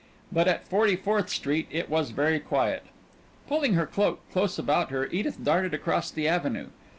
But at Forty fourth Street it was very quiet. Pulling her cloak close about her Edith darted across the Avenue.